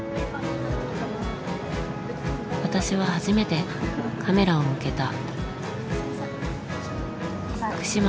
私は初めてカメラを向けた。